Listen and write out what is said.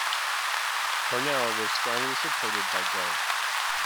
Parnell was strongly supported by Gov.